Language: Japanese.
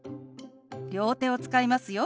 両手を使いますよ。